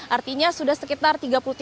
artinya sudah sekitar